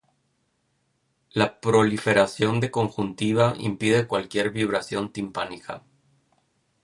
La proliferación de conjuntiva impide cualquier vibración timpánica.